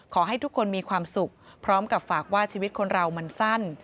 ขอให้ทุกคนมีความสุขพร้อมกับฝากว่าชีวิตคนเรามันสั้น